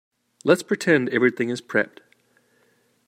Let's pretend everything is prepped.